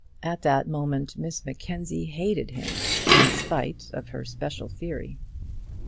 At that moment Miss Mackenzie hated him in spite of her special theory.